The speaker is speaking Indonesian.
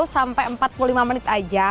sampai empat puluh lima menit aja